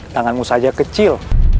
tanganmu saja kecil